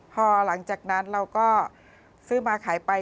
พอหลังจากนั้นเราก็ซื้อมาขายไป